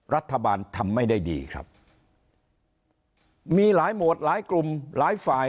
รัฐบาลทำไม่ได้ดีครับมีหลายหมวดหลายกลุ่มหลายฝ่าย